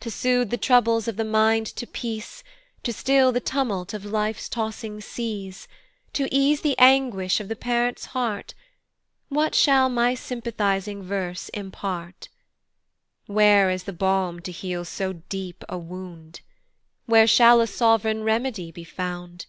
To sooth the troubles of the mind to peace, To still the tumult of life's tossing seas, To ease the anguish of the parents heart, What shall my sympathizing verse impart? Where is the balm to heal so deep a wound? Where shall a sov'reign remedy be found?